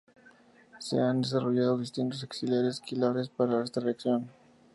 Se han desarrollado distintos auxiliares quirales para esta reacción.